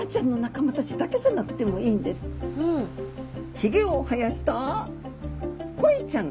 ひげを生やしたコイちゃん。